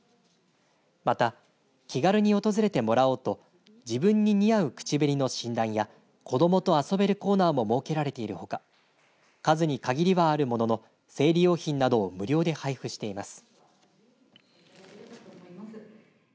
また、気軽に訪れてもらおうと自分に似合う口紅の診断や子どもと遊べるコーナーも設けられているほか数に限りはあるものの生理用品などを無料で配布しています。